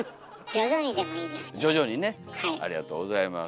徐々にねありがとうございます。